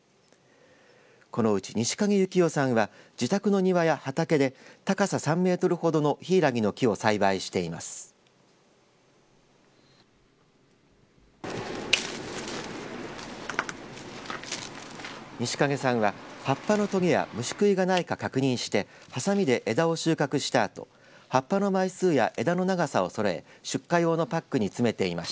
このうち、西蔭幸代さんは自宅の庭や畑で高さ３メートルほどのひいらぎの木を栽培しています。